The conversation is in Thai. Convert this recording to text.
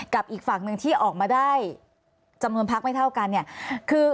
กับอีกฝั่งหนึ่งที่ออกมาได้จำนวนภักดิ์ไม่เท่ากันคือ